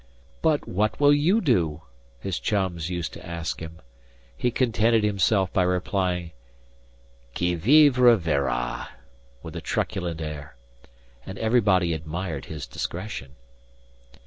"But what will you do?" his chums used to ask him. He contented himself by replying, "Qui vivra verra," with a truculent air. And everybody admired his discretion.